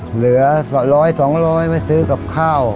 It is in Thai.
เหลือ๑๐๐๒๐๐ไม่ซื้อกับข้าว